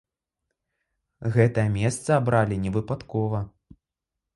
Гэтае месца абралі невыпадкова.